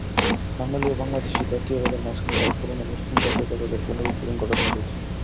বাঙালি ও বাংলাদেশি জাতীয়তাবাদের মাঝখানে তারা পুরোনো মুসলিম জাতীয়তাবাদের পুনরুজ্জীবন ঘটাতে চেয়েছিল।